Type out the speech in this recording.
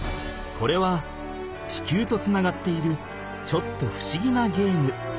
これは地球とつながっているちょっとふしぎなゲーム。